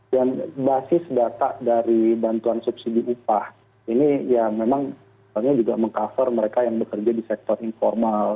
dan basis data dari bantuan subsidi upah ini ya memang juga meng cover mereka yang bekerja di sektor informal